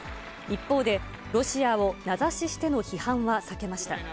一方で、ロシアを名指ししての批判は避けました。